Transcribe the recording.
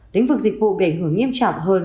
lĩnh vực dịch vụ bị ảnh hưởng nghiêm trọng hơn